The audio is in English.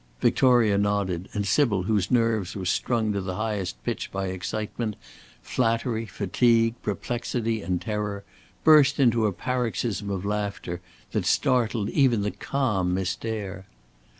Victoria nodded, and Sybil, whose nerves were strung to the highest pitch by excitement, flattery, fatigue, perplexity, and terror, burst into a paroxysm of laughter, that startled even the calm Miss Dare.